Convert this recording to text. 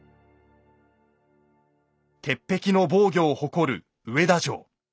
鉄壁の防御を誇る上田城。